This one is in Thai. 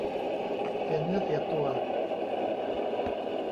เสียเนื้อเสียตัว